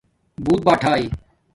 بݸت باٹھݳ